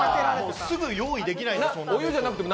すぐ用意できなくても。